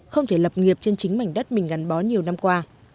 không thể lập nghiệp trên chính mảnh đất mình gắn bó nhiều năm qua